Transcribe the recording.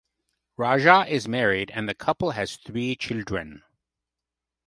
Raja is married and the couple has three children.